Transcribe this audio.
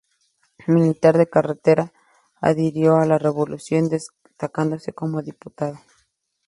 Militar de carrera, adhirió a la Revolución, destacándose como diputado.